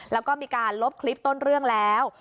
แล้วก็มีการลบคลิปต้นเรื่องแล้ว